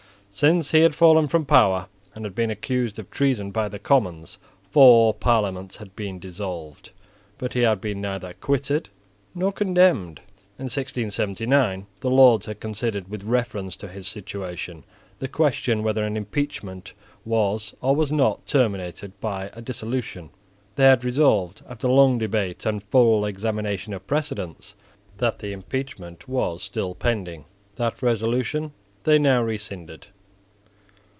Since he had fallen from power and had been accused of treason by the Commons, four Parliaments had been dissolved; but he had been neither acquitted nor condemned. In 1679 the Lords had considered, with reference to his situation, the question whether an impeachment was or was not terminated by a dissolution. They had resolved, after long debate and full examination of precedents, that the impeachment was still pending. That resolution they now rescinded.